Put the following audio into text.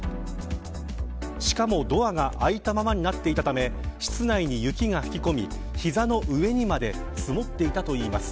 しかも、ドアが開いたままになっていたため室内に雪が吹き込み膝の上にまで積もっていたといいます。